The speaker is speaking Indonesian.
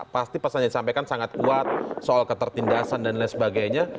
pasti pesan yang disampaikan sangat kuat soal ketertindasan dan lain sebagainya